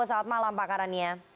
selamat malam pak karania